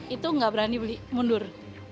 itu nggak berani mundur